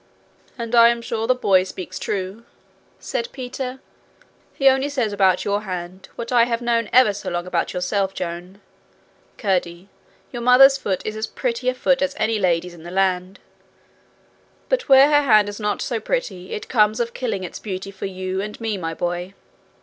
'And I am sure the boy speaks true,' said Peter. 'He only says about your hand what I have known ever so long about yourself, Joan. Curdie, your mother's foot is as pretty a foot as any lady's in the land, and where her hand is not so pretty it comes of killing its beauty for you and me, my boy.